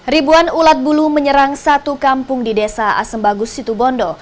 ribuan ulat bulu menyerang satu kampung di desa asem bagus situbondo